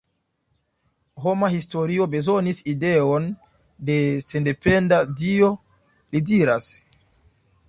Homa historio bezonis ideon de sendependa Dio, li diras.